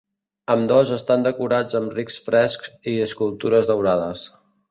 Ambdós estan decorats amb rics frescs i escultures daurades.